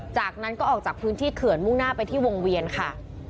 จากนั้นก็ออกจากพื้นที่เขื่อนมุ่งหน้าไปที่วงเวียนค่ะ